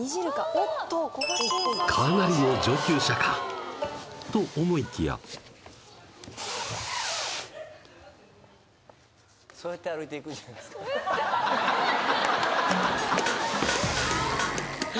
おっとかなりの上級者かと思いきやそうやって歩いていくんじゃないですかははは